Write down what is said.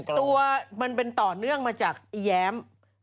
ตัวมันเป็นต่อเนื่องมาจากอีแย้ม